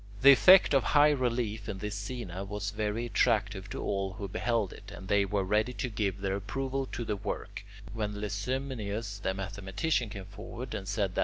The effect of high relief in this scaena was very attractive to all who beheld it, and they were ready to give their approval to the work, when Licymnius the mathematician came forward and said that (6.)